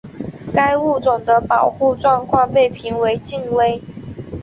该物种的保护状况被评为近危。